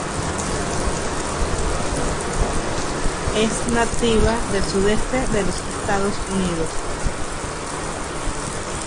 Es nativa del sudeste de los Estados Unidos.